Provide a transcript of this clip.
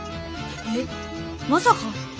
えっまさか。